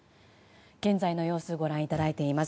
現在の様子ご覧いただいています。